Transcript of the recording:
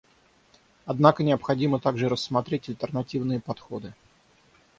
Однако необходимо также рассмотреть альтернативные подходы.